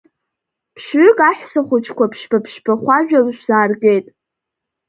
Ԥшь-ҩык аҳәсахәыҷқәа Ԥшьба-ԥшьба хәажәы шәзааргеит.